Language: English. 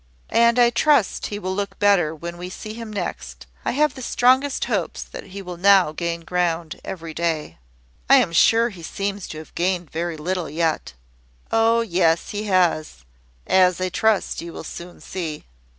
"And I trust he will look better when we see him next. I have the strongest hopes that he will now gain ground every day." "I am sure he seems to have gained very little yet." "Oh, yes, he has; as I trust you will soon see."